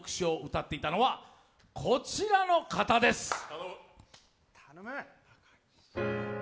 歌っていたのはこちらの方です。